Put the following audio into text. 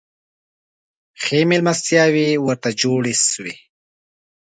ښې مېلمستیاوي ورته جوړي سوې.